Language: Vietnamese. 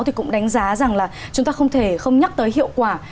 thì cũng đánh giá rằng là chúng ta không thể không nhắc tới hiệu quả